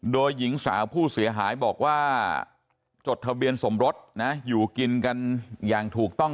โดยหญิงสาวผู้เสียหายบอกว่าจดทะเบียนสมรสนะอยู่กินกันอย่างถูกต้อง